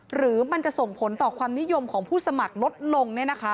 หรือมันจะส่งผลต่อความนิยมของผู้สมัครลดลง